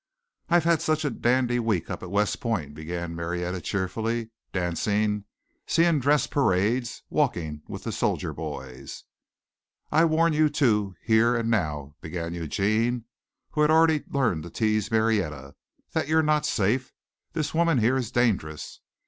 "I've just had such a dandy week up at West Point," began Marietta cheerfully, "dancing, seeing dress parades, walking with the soldier boys." "I warn you two, here and now," began Eugene, who had already learned to tease Marietta, "that you're not safe. This woman here is dangerous.